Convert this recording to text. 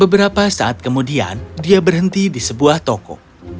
beberapa saat kemudian dia berhenti di sebuah toko